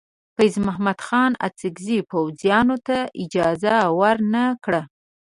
فیض محمد خان انګریزي پوځیانو ته اجازه ور نه کړه.